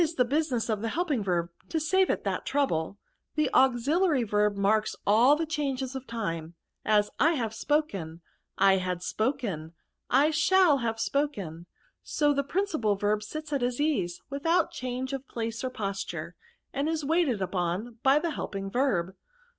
the business of the helping verb to save it that, trouble. The auxilUqy verb maxks^ all the changes of time, as I fuwe spoken, I had, spoken, I shaUhave spoken. So the principal verb sits at his ^ase, without change of pkce' or posture, and is waited upon by the helpings verb.